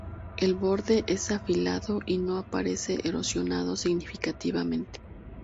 El borde es afilado y no aparece erosionado significativamente.